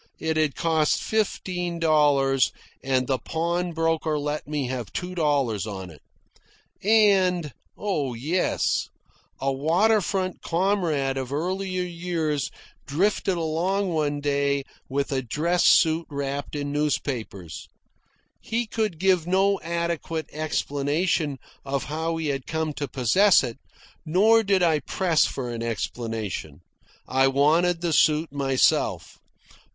It had cost fifteen dollars, and the pawnbroker let me have two dollars on it. And oh, yes a water front comrade of earlier years drifted along one day with a dress suit wrapped in newspapers. He could give no adequate explanation of how he had come to possess it, nor did I press for an explanation. I wanted the suit myself.